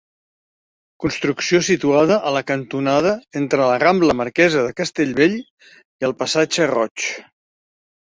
Construcció situada a la cantonada entre la Rambla Marquesa de Castellbell i el Passatge Roig.